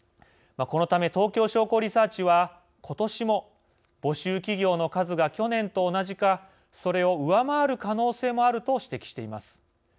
このため東京商工リサーチはことしも、募集企業の数が去年と同じか、それを上回る可能性もあると指摘しています。